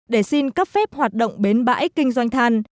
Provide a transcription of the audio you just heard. để xin cấp phép hoạt động bến bãi kinh doanh than